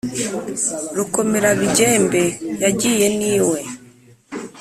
Rukomerabigembe yagiye n'iwe